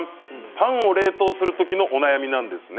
パンを冷凍する時のお悩みなんですね。